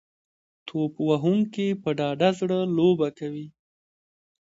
توپ وهونکي په ډاډه زړه لوبه کوي.